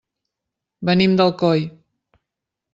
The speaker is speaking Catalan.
Venim d'Alcoi.